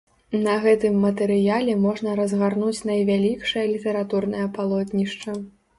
На гэтым матэрыяле можна разгарнуць найвялікшае літаратурнае палотнішча.